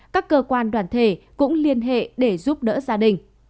các cơ quan đoàn thể cũng liên hệ để giúp đỡ gia đình